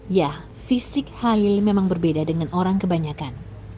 ya fisik haiil memang berbeda dengan orang kebanyakan